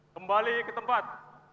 kembali ke tempat